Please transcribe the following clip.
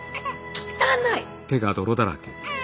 汚い！